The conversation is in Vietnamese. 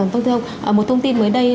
vâng thưa ông một thông tin mới đây